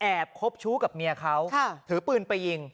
คบชู้กับเมียเขาถือปืนไปยิง